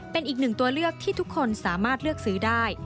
เป็นอีกหนึ่งตัวเลือกที่ทุกคนสามารถเลือกซื้อได้